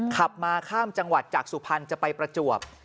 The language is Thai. ขับมาข้ามจังหวัดจากสุพรรณจะไปประจวบ